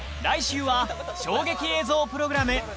来週は衝撃映像プログラム